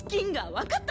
分かった？